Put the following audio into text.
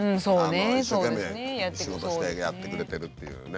一生懸命仕事してやってくれてるっていうね。